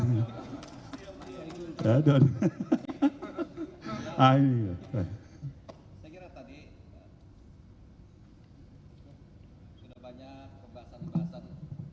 saya kira tadi sudah banyak pembahasan pembahasan